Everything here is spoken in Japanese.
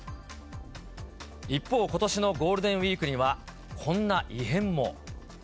一方、ことしのゴールデンウィークには、こんな異変も。